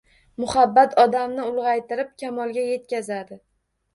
Muhabbat odamni ulg‘aytirib, kamolga yetkazadi